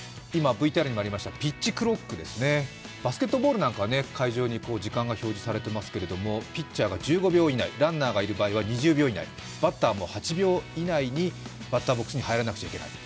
まずはピッチクロック、バスケットボールなんかはコートに時間が表示されていますけれども、ピッチャーが１５秒以内、ランナーがいる場合は２０秒以内、バッターも８秒以内にバッターボックスに入らなくちゃいけない。